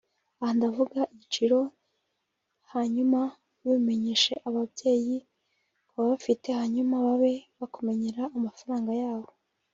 Aha ndavuga igiciro hanyuma ubimenyeshe ababyeyi (ku babafite) hanyuma babe bakumenyera amafaranga yawo